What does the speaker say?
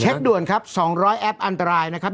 ด่วนครับ๒๐๐แอปอันตรายนะครับ